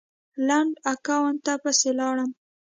لنډ اکاونټ ته پسې لاړم